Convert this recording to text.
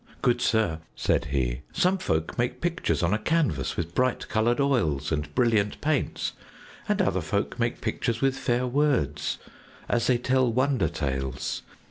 "Good sir," said he, "some folk make pictures on a canvas with bright colored oils and brilliant paints, and other folk make pictures with fair words, as they tell wonder tales.